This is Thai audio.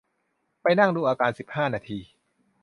ไปนั่งดูอาการสิบห้านาที